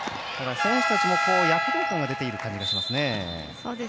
選手たちも躍動感が出ている感じがします。